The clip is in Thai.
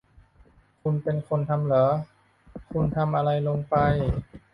คุณเป็นคนทำหรอ ? คุณทำอะไรลงไป ?